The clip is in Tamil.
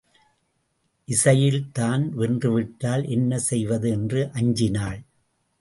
இசையில் தான் வென்று விட்டால் என்ன செய்வது என்று அஞ்சினாள்.